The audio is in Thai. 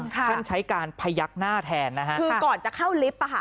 ท่านใช้การพยักหน้าแทนค่ะก่อนจะเข้าลิฟต์